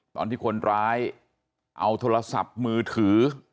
ตอนที่คนร้ายเอาโทรศัพท์มือถือ